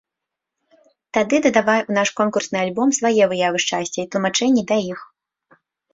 Тады дадавай ў наш конкурсны альбом свае выявы шчасця і тлумачэнні да іх.